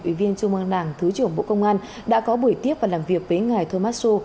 ủy viên trung an đảng thứ trưởng bộ công an đã có buổi tiếp và làm việc với ngài thomas hsu